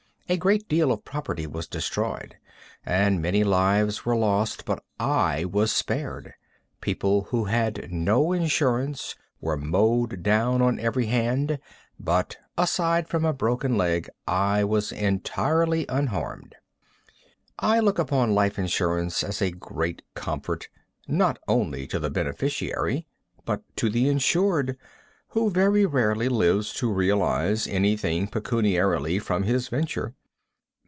A great deal of property was destroyed and many lives were lost, but I was spared. People who had no insurance were mowed down on every hand, but aside from a broken leg I was entirely unharmed. [Illustration: PROTECTED BY LIFE INSURANCE.] I look upon life insurance as a great comfort, not only to the beneficiary, but to the insured, who very rarely lives to realize anything pecuniarily from his venture.